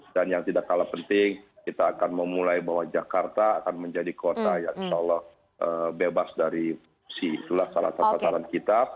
dan yang tidak kalah penting kita akan memulai bahwa jakarta akan menjadi kota yang insya allah bebas dari si salah satu pasaran kita